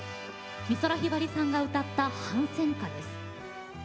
美空ひばりさんが歌った反戦歌です。